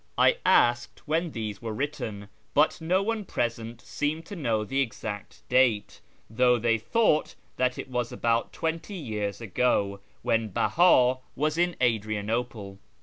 I asked when these were written, but no one present seemed to know the exact date, though they thought that it was about twenty years ago, when Beha was in ^Vdriauople.